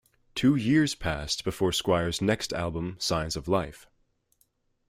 Two years passed before Squier's next album Signs of Life.